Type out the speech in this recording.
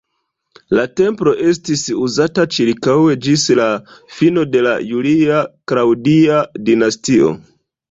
La templo estis uzata ĉirkaŭe ĝis la fino de la Julia-Klaŭdia dinastio.